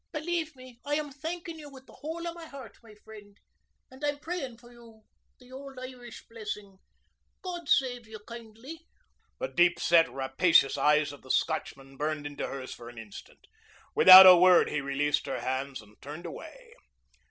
"Believe me, I am thanking you with the whole of my heart, my friend. And I'm praying for you the old Irish blessing, 'God save you kindly.'" The deep set, rapacious eyes of the Scotchman burned into hers for an instant. Without a word he released her hands and turned away.